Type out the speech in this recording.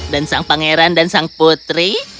dan sang pangeran dan sang putri